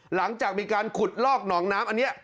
หลังจากมีการขุดลอกหนองน้ำอันนี้